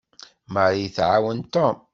Mary tɛawen Tom.